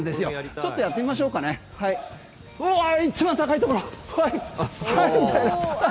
ちょっとやってみましょうかね高いところ。